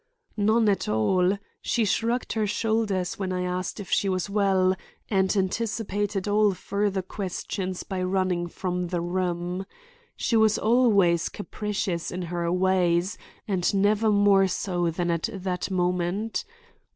"None at all. She shrugged her shoulders when I asked if she was well, and anticipated all further questions by running from the room. She was always capricious in her ways and never more so than at that moment.